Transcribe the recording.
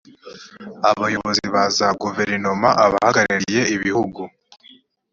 abayobozi ba za guverinoma abahagarariye ibihugu